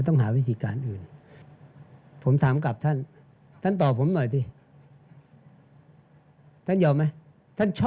จะคลุมค่าที่จะไม่ไหว